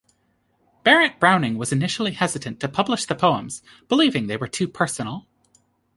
Barrett Browning was initially hesitant to publish the poems, believing they were too personal.